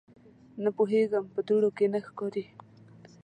_نه پوهېږم، په دوړو کې نه ښکاري.